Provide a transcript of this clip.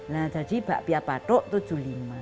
nah jadi bakpia patu tujuh puluh lima